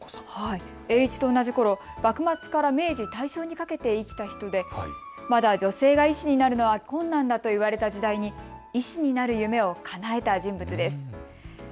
栄一と同じころ、幕末から明治、大正にかけて生きた人でまだ女性が医師になるのは困難だと言われた時代に医師になる夢をかなえた人です。